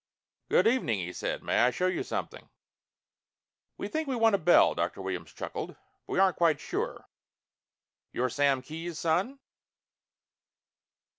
"Good evening," he said. "May I show you something?" "We think we want a bell," Dr. Williams chuckled. "But we aren't quite sure. You're Sam Kee's son?"